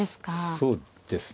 そうですね。